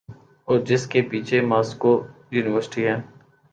اورجس کے پیچھے Moscow university ہے۔